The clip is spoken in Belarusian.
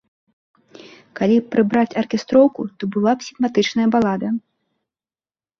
Калі б прыбраць аркестроўку, то была б сімпатычная балада.